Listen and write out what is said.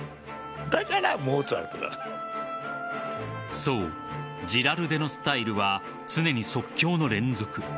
そう、ジラルデのスタイルは常に即興の連続。